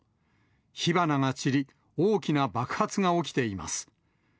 火花が散り、大きな爆発が起きています。